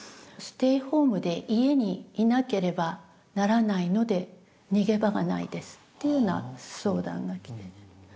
ステイホームで家にいなければならないので逃げ場がないですっていうような相談が来て。